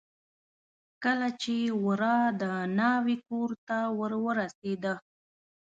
کله چې ورا د ناوې کورته ور ورسېده.